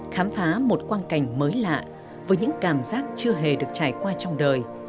khám phá một quan cảnh mới lạ với những cảm giác chưa hề được trải qua trong đời